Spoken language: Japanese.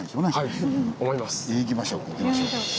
行きましょう行きましょう。